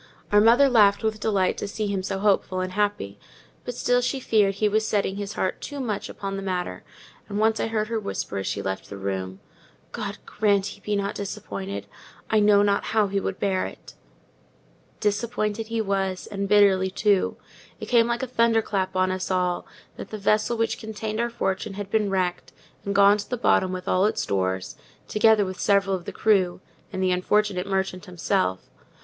Our mother laughed with delight to see him so hopeful and happy: but still she feared he was setting his heart too much upon the matter; and once I heard her whisper as she left the room, "God grant he be not disappointed! I know not how he would bear it." Disappointed he was; and bitterly, too. It came like a thunder clap on us all, that the vessel which contained our fortune had been wrecked, and gone to the bottom with all its stores, together with several of the crew, and the unfortunate merchant himself.